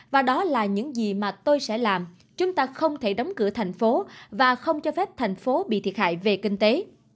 và đó là những gì mà tôi sẽ làm chúng ta không thể đóng cửa thành phố và không cho phép thành phố bị thiệt hại về kinh tế